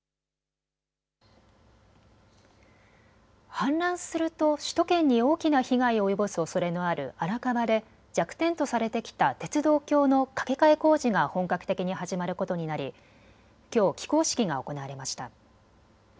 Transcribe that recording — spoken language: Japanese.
氾濫すると首都圏に大きな被害を及ぼすおそれのある荒川で弱点とされてきた鉄道橋の架け替え工事が本格的に始まることになりきょう起工式が行われました。